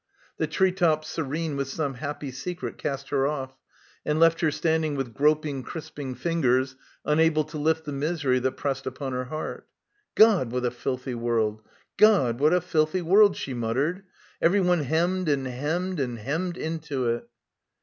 The tree tops serene with some happy secret cast her off, and left her standing with groping crisping fingers unable to lift the misery they pressed upon her heart. "God, what a filthy world! God what a filthy world!" she muttered. "Everyone hemmed and hemmed and hemmed into it."